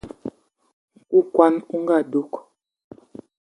Nku kwan on ga dug